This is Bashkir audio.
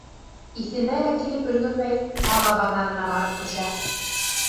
Иҫенә лә килеп өлгөрмәй, ҡала баҙарына барып төшә.